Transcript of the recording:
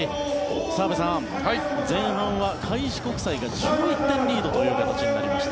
澤部さん、前半は開志国際が１１点リードという形になりました。